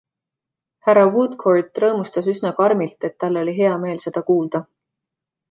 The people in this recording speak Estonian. Hr Woodcourt rõõmustas üsna karmilt, et tal oli hea meel seda kuulda.